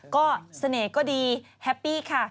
ก็เสน่ห์ก็ดีแฮปปี้ค่ะ